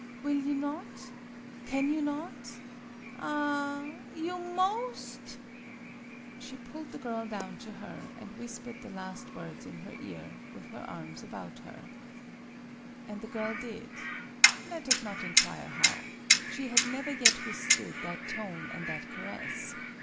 Will you not? Can you not? Ah h h! You moast!" MADAME BUTTERFLY 71 She pulled the girl down to her, and whispered the last words in her ear with her arms about her. And the girl did. Let us not inquire how. She had never yet withstood that tone and that caress.